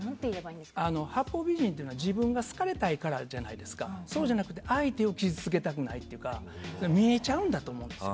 八方美人というのは自分が好かれたいからですけどそうじゃなくて相手を傷つけたくないというふうに見えちゃうんだと思うんですよ。